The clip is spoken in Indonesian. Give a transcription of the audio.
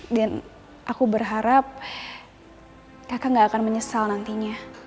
dan aku berharap kakak gak akan menyesal nantinya